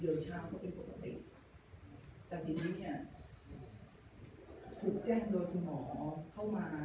เดินเช้าเขาเป็นปกติแต่ทีนี้ถูกแจ้งโดยคุณหมอเข้ามา